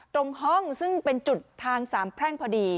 ตรงห้องซึ่งเป็นจุดทางสามแพร่งพอดี